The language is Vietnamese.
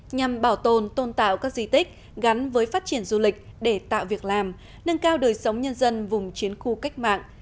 nhằm bảo tồn tôn tạo các di tích gắn với phát triển du lịch để tạo việc làm nâng cao đời sống nhân dân vùng chiến khu cách mạng